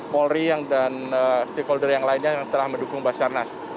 polri dan stakeholder yang lainnya yang setelah mendukung pasarnas